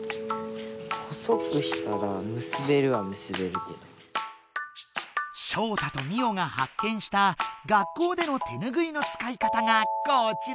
細くしたらショウタとミオがハッケンした学校での手ぬぐいのつかいかたがこちら！